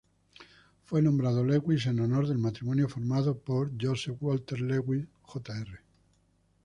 Fue nombrado Lewis en honor al matrimonio formado por "Joseph Walter Lewis, Jr.